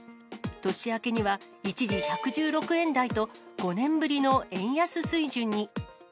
年明けには一時１１６円台と、５年ぶりの円安水準に。